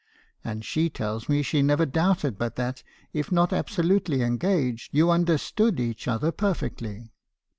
And she tells me she never doubted but that, if not absolutely engaged, you understood each other perfectly.